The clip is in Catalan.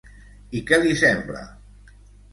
I què li sembla?